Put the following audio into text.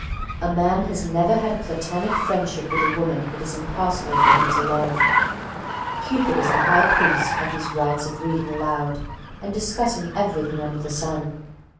[Sidenote: The High Priest] A man never has a platonic friendship with a woman it is impossible for him to love. Cupid is the high priest at these rites of reading aloud and discussing everything under the sun.